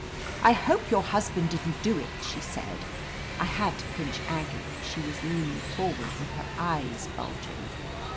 "I hope your husband didn't do it," she said. I had to pinch Aggie ; she was leaning forward with her eyes bulging.